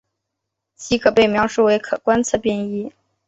其可被描述为可观测变异。